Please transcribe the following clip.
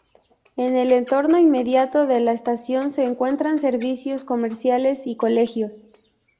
En el entorno inmediato de la estación se encuentran servicios comerciales y colegios.